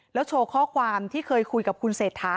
แล้วโชว์ข้อความที่เคยคุยกับคุณเศรษฐา